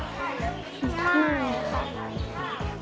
ไม่ค่ะ